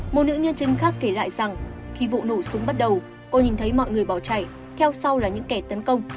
một nữ nhân chứng khác kể lại rằng khi vụ nổ súng bắt đầu cô nhìn thấy mọi người bỏ chạy theo sau là những kẻ tấn công